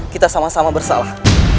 kita sama sama bersalah